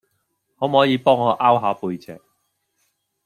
可唔可以幫我 𢯎 下背脊